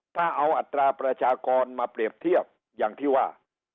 ถ้าเอาอัตราประชากรมาเปรียบเทียบอย่างที่ว่า